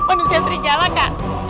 manusia serigala kak